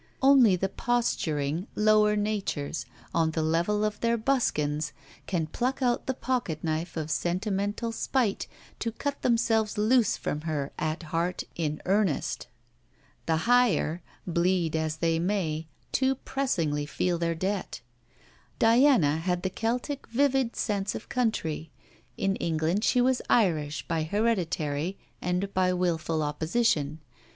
Only the posturing lower natures, on the level of their buskins, can pluck out the pocket knife of sentimental spite to cut themselves loose from her at heart in earnest. The higher, bleed as they may, too pressingly feel their debt. Diana had the Celtic vivid sense of country. In England she was Irish, by hereditary, and by wilful opposition.